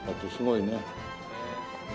すごいね。